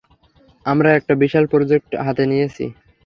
আমরা একটা বিশাল প্রজেক্ট হাতে নিয়েছি।